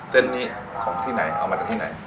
เส้นนี้ของที่ไหนเอามาจากที่ไหน